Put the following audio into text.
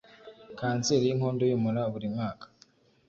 kanseri y'inkondo y'umura buri mwaka.